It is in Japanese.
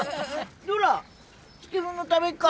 ほら漬物食べっか？